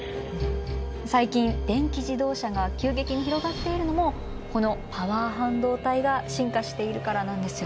最近電気自動車が急激に広がっているのもこのパワー半導体が進化しているからなんですよ。